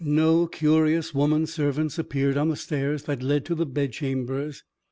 No curious women servants appeared on the stairs that led to the bed chambers.